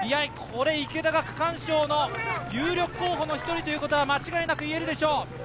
池田が区間賞の有力候補の１人ということは間違いなく言えるでしょう。